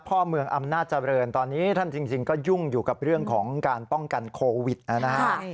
พ่อเมืองอำนาจเจริญตอนนี้ท่านจริงก็ยุ่งอยู่กับเรื่องของการป้องกันโควิดนะฮะ